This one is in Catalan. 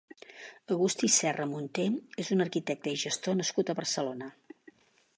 Agustí Serra Monté és un arquitecte i gestor nascut a Barcelona.